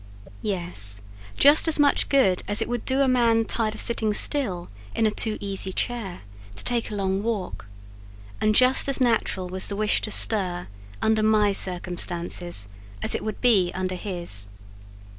Yes, just as much good as it would do a man tired of sitting still in a "too easy chair" to take a long walk: and just as natural was the wish to stir, under my circumstances, as it would be under his.